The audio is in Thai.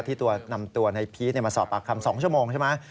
ที่ตัวนำตัวในพีชมาสอบปากคำ๒ชั่วโมงใช่ไหม